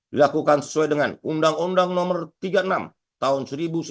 dilakukan sesuai dengan undang undang no tiga puluh enam tahun seribu sembilan ratus sembilan puluh